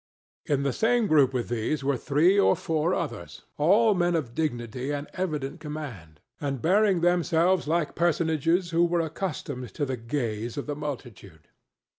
In the same group with these were three or four others, all men of dignity and evident command, and bearing themselves like personages who were accustomed to the gaze of the multitude.